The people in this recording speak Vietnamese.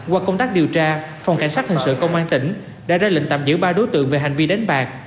qua công tác điều tra phòng cảnh sát hình sự công an tỉnh đã ra lệnh tạm giữ ba đối tượng về hành vi đánh bạc